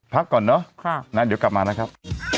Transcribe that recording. พักก่อนเนอะเดี๋ยวกลับมานะครับ